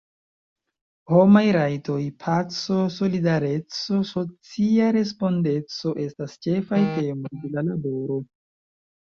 Homaj rajtoj, paco, solidareco, socia respondeco estas ĉefaj temoj de la laboro.